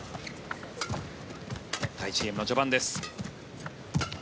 第１ゲームの序盤です。